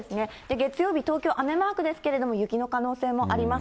月曜日、東京、雨マークですけれども、雪の可能性もあります。